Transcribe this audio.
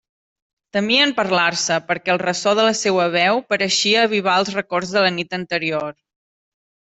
Temien parlar-se, perquè el ressò de la seua veu pareixia avivar els records de la nit anterior.